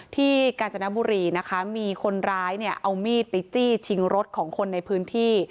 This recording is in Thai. กาญจนบุรีนะคะมีคนร้ายเนี่ยเอามีดไปจี้ชิงรถของคนในพื้นที่